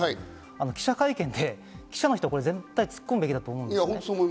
記者会見で記者の人、絶対突っ込むべきだと思います。